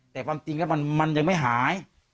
แต่ความจริงแล้วมันยังไม่หาย